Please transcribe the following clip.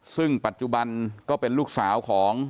ซึ่งปัจจุบันก็เป็นลูกสาวของ